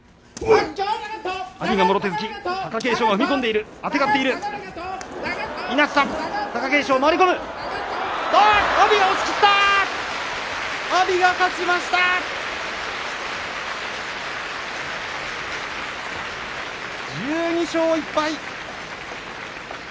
拍手１２勝１敗。